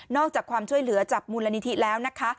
อกจากความช่วยเหลือจากมูลนิธิแล้วนะคะ